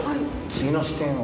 次の視点を。